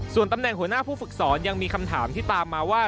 ส่วนตำแหน่งหัวหน้าผู้ฝึกสอนยังมีคำถามที่ตามมาว่า